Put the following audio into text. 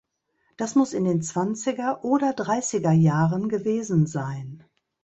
Das muss in den Zwanziger- oder Dreißigerjahren gewesen sein.